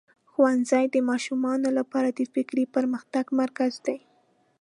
ښوونځی د ماشومانو لپاره د فکري پرمختګ مرکز دی.